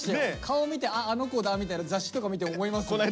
顔見て「あ！あの子だ」みたいな雑誌とか見て思いますもん。